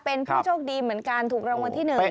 เป็นผู้โชคดีเหมือนกันถูกรางวัลที่๑